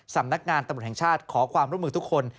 สำนักงานตำรวจแห่งชาติขอความร่วมมือทุกคน